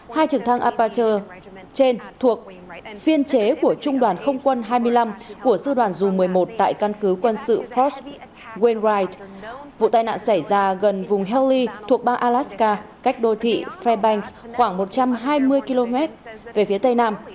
hai trực thăng apacher trên thuộc phiên chế của trung đoàn không quân hai mươi năm của sư đoàn dù một mươi một tại căn cứ quân sự ford wenride vụ tai nạn xảy ra gần vùng heli thuộc bang alaska cách đô thị frebank khoảng một trăm hai mươi km về phía tây nam